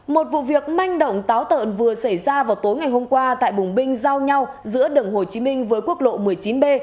một vụ việc manh động táo tợn vừa xảy ra vào tối ngày hôm qua tại bùng binh giao nhau giữa đường hồ chí minh với quốc lộ một mươi chín b